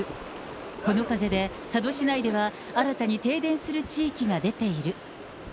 この風で佐渡市内では、新たに停電する地域が出ている。